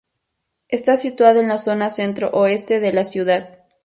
Está situado en la zona centro-oeste de la ciudad.